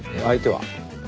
相手は？